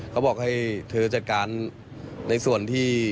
เขาบอกให้เธอจัดการในส่วนที่